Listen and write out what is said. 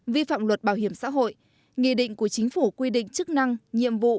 vi phạm luật bảo hiểm xã hội nghị định của chính phủ quy định chức năng nhiệm vụ